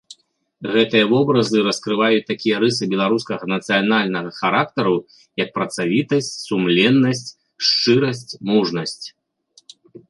Гэтыя вобразы раскрываюць такія рысы беларускага нацыянальнага характару, як працавітасць, сумленнасць, шчырасць, мужнасць.